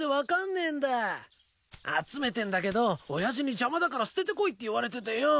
集めてんだけど親父に邪魔だから捨ててこいって言われててよ。